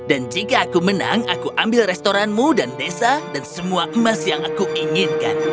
dan jika aku menang aku ambil restoranmu dan desa dan semua emas yang aku inginkan